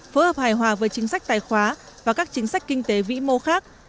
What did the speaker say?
phối hợp hài hòa với chính sách tài khoá và các chính sách kinh tế vĩ mô khác